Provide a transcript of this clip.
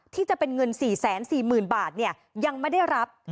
ที่จะเป็นเงิน๔๔๐๐๐บาทยังไม่ได้รับ